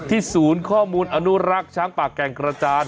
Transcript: ศูนย์ข้อมูลอนุรักษ์ช้างป่าแก่งกระจาน